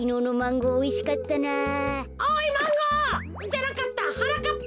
じゃなかったはなかっぱ。